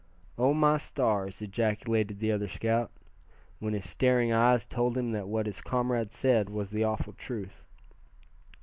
"Oh! my stars!" ejaculated the other scout, when his staring eyes told him that what his comrade said was the awful truth.